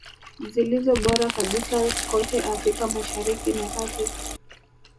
Zilizo bora kabisa kote Afrika Mashariki na kati